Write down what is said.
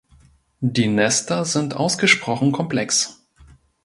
Die Nester sind ausgesprochen komplex.